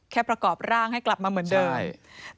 ประกอบร่างให้กลับมาเหมือนเดิม